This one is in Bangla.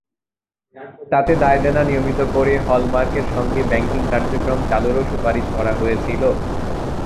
তাতে দায়দেনা নিয়মিত করে হল-মার্কের সঙ্গে ব্যাংকিং কার্যক্রম চালুরও সুপারিশ করা হয়েছিল।